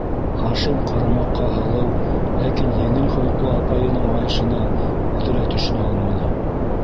Хашим ҡарамаҡҡа һылыу, ләкин еңел холоҡло апайының айышына үҙе лә төшөнә алманы.